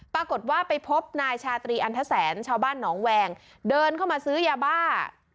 ปรากฏว่าไปพบนายชาตรีอันทแสนชาวบ้านหนองแวงเดินเข้ามาซื้อยาบ้า